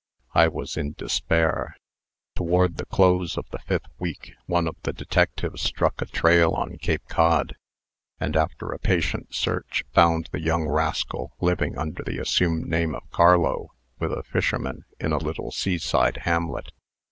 I was in despair. Toward the close of the fifth week, one of the detectives struck a trail on Cape Cod, and, after a patient search, found the young rascal living, under the assumed name of Carlo, with a fisherman, in a little seaside hamlet.